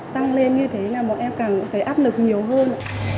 tăng lên như thế là mọi em càng thấy áp lực nhiều hơn